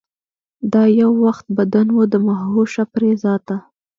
دا یو وخت بدن و د مهوشه پرې ذاته